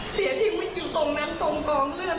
เสียชีวิตอยู่ตรงนั้นจมกองเลือด